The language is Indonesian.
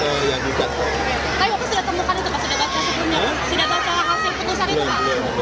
tapi pokoknya sudah temukan itu pak